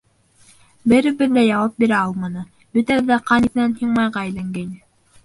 Беребеҙ ҙә яуап бирә алманы, бөтәбеҙ ҙә ҡан еҫенән һиңмайға әйләнгәйне.